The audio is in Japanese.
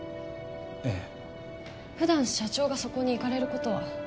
ええ普段社長がそこに行かれることは？